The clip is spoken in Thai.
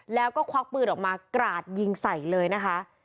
แล้วก็ควักปืนออกมากราดยิงใส่เลยนะคะ